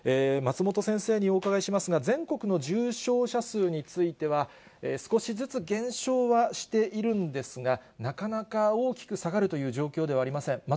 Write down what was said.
松本先生にお伺いしますが、全国の重症者数については、少しずつ減少はしているんですが、なかなか大きく下がるという状況ではありません。